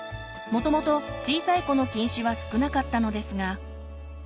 もともと小さい子の近視は少なかったのですが。